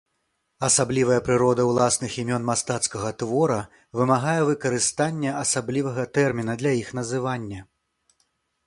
Асаблівая прырода ўласных імён мастацкага твора вымагае выкарыстання асаблівага тэрміна для іх называння.